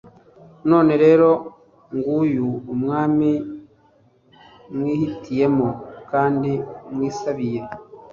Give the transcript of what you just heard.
none rero, nguyu umwami mwihitiyemo kandi mwisabiye